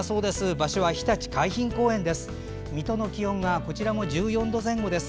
場所はひたち海浜公園です。